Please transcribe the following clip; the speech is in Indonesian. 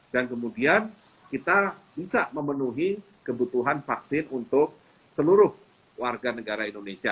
dan kemudian kita bisa memenuhi kebutuhan vaksin untuk seluruh warga negara indonesia